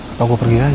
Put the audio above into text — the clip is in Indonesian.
atau aku pergi aja